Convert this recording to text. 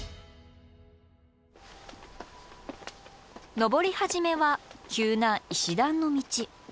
登り始めは急な石段の道。